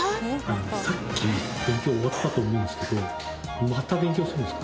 さっき勉強終わったと思うんですけどまた勉強するんですか？